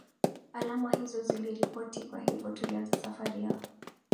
alama hizo ziliripoti kwa hivyo tulianza safari ya